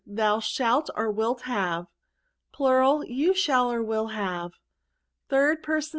Thou shalt, or wilt, have. You shall, or will, have. Sd Person.